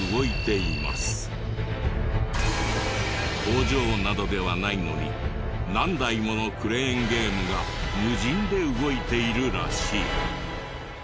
工場などではないのに何台ものクレーンゲームが無人で動いているらしい。